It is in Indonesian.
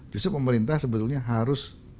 justru pemerintah sebetulnya harus